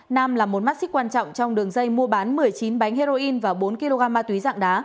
nam là một mắt xích quan trọng trong đường dây mua bán một mươi chín bánh heroin và bốn kg ma túy dạng đá